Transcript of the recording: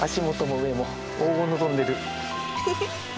ウフフフ。